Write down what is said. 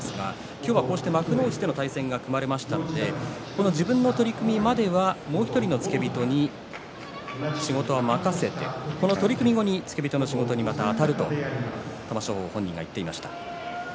今日は幕内での対戦が組まれましたので自分の取組までは、もう１人の付け人に仕事を任せてこの取組後に、また付け人の仕事にあたると玉正鳳本人が言っていました。